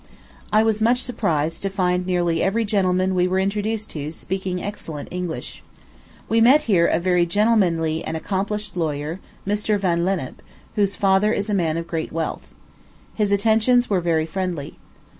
I was much surprised to find nearly every gentleman we were introduced to speaking excellent English. We met here a very gentlemanly and accomplished lawyer, Mr. Van Lennep, whose father is a man of great wealth. His attentions were very friendly.